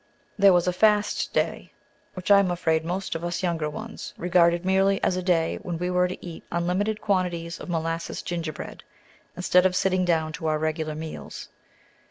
There was always a Fast Day, which I am afraid most of us younger ones regarded merely as a day when we were to eat unlimited quantities of molasses gingerbread, instead of sitting down to our regular meals.